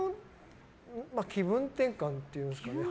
気分転換っていうんですかね。